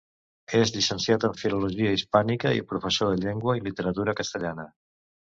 És llicenciat en filologia hispànica i professor de llengua i literatura castellana.